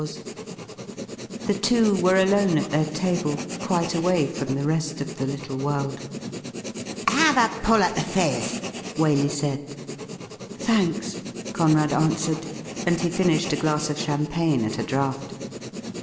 WHAT WALEY DID WITH HIMSELF 849 The two were alone at their table, quite away from the rest of the little world. ' Have a pull at the fizz,' Waley said. ' Thanks,'' Conrad answered, and he finished a glass of champagne at a draught.